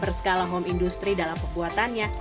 berskala home industry dalam pembuatannya